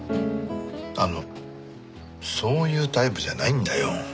あのそういうタイプじゃないんだよ。